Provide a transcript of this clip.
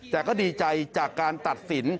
แต่ก็ดีใจจากการตัดสิน